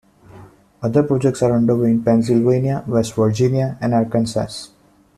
Other projects are underway in Pennsylvania, West Virginia and Arkansas.